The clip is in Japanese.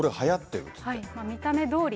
見た目どおり。